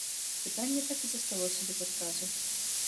Пытанне так і засталося без адказу.